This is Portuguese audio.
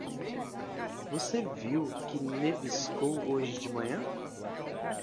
Você viu que neviscou hoje de manhã?